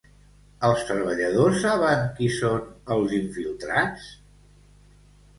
Els treballadors saben qui són els infiltrats?